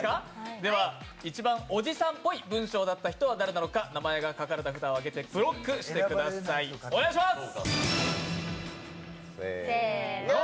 一番おじさんっぽい人の文章だった人は誰か、名前が書かれた札を上げてブロックしてください、お願いします！